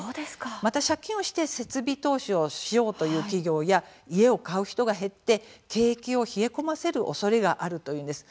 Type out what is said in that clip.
また、借金をして設備投資をしようという企業や家を買う人が減って景気を冷え込ませるおそれがあるというのです。